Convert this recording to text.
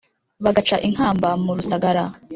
bagaca inkamba mu rusagara